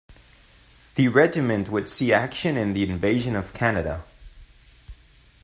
The regiment would see action in the Invasion of Canada.